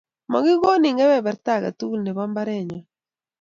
makikonin keberberta age tugul nebo mbarenyo